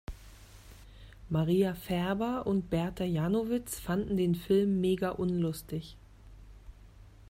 Maria Färber und Berta Janowitz fanden den Film mega unlustig.